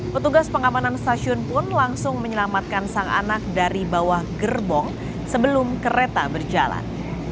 petugas pengamanan stasiun pun langsung menyelamatkan sang anak dari bawah gerbong sebelum kereta berjalan